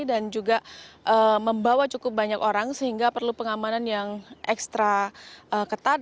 dan juga membawa cukup banyak orang sehingga perlu pengamanan yang ekstra ketat